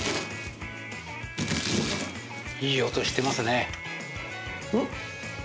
いい音してますね。